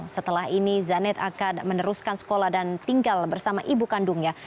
setelah ini zanet akan meneruskan sekolah dan tinggal bersama ibu kandungnya